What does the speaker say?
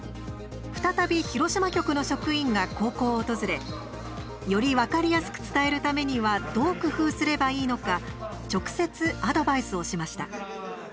再び、広島局の職員が高校を訪れより分かりやすく伝えるためにはどう工夫すればいいのか直接、アドバイスをしました。